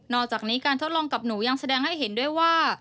อกจากนี้การทดลองกับหนูยังแสดงให้เห็นด้วยว่า